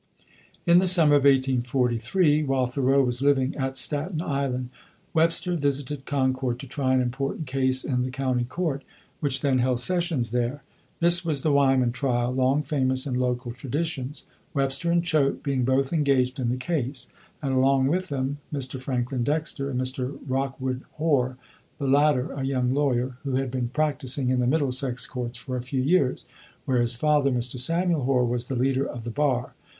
In the summer of 1843, while Thoreau was living at Staten Island, Webster visited Concord to try an important case in the county court, which then held sessions there. This was the "Wyman Trial," long famous in local traditions, Webster and Choate being both engaged in the case, and along with them Mr. Franklin Dexter and Mr. Rockwood Hoar, the latter a young lawyer, who had been practicing in the Middlesex courts for a few years, where his father, Mr. Samuel Hoar, was the leader of the bar.